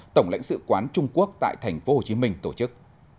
tổng lãnh sự quán trung quốc tại tp hcm tổ chức